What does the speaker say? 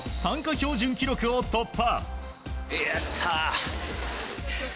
標準記録を突破。